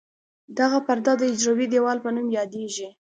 دغه پرده د حجروي دیوال په نوم یادیږي.